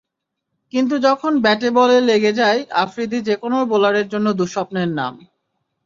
কিন্তু যখন ব্যাটে বলে লেগে যায়, আফ্রিদি যেকোনো বোলারের জন্য দুঃস্বপ্নের নাম।